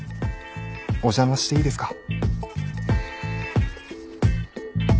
お邪魔していいですか？